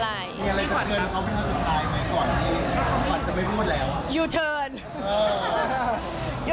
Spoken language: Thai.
มีอะไรจะเตือนเขาที่เขาจะกลายไหมก่อนที่ขวัญจะไม่พูดแล้ว